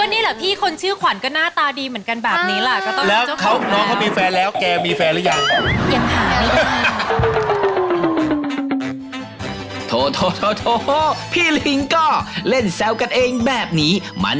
นี่แหละพี่คนชื่อขวัญก็หน้าตาดีเหมือนกันแบบนี้แหละ